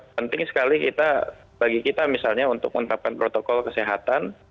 penting sekali kita bagi kita misalnya untuk menetapkan protokol kesehatan